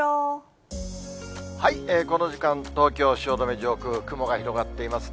この時間、東京・汐留上空、くもがひろがっています